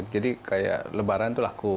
jadi kayak lebaran itu laku